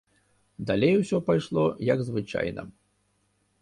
Далей усё пайшло, як звычайна.